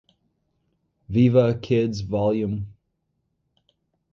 Viva Kids Vol.